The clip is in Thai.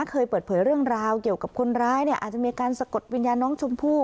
เคยเปิดเผยเรื่องราวเกี่ยวกับคนร้ายเนี่ยอาจจะมีการสะกดวิญญาณน้องชมพู่